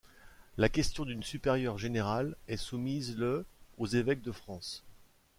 La question d’une supérieure générale est soumise le aux évêques de France.